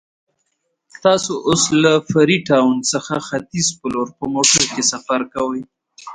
تاسو اوس له فري ټاون څخه ختیځ په لور په موټر کې سفر کوئ.